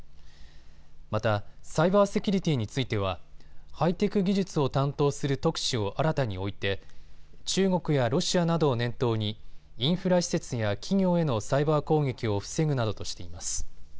また、サイバーセキュリティーについてはハイテク技術を担当する特使を新たに置いて中国やロシアなどを念頭にインフラ施設や企業へのサイバー攻撃を防ぐなどとしています。